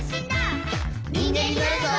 「にんげんになるぞ！」